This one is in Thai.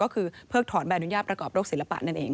ก็คือเพิกถอนใบอนุญาตประกอบโรคศิลปะนั่นเอง